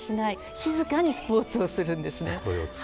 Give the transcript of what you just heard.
静かにスポーツをするんです。